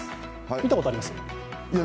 見たことあります？